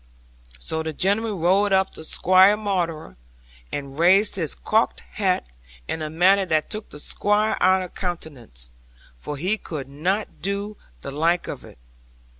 'So the gentleman rode up to Squire Maunder, and raised his cocked hat in a manner that took the Squire out of countenance, for he could not do the like of it.